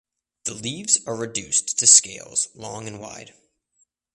The leaves are reduced to scales long and wide.